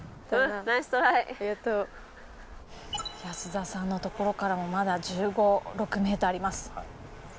安田さんのところからもまだ１５１６ｍあります。